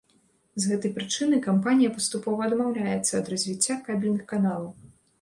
З гэтай прычыны кампанія паступова адмаўляецца ад развіцця кабельных каналаў.